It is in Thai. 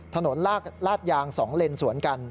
ถนนลาดยาง๒เลนสวนกัน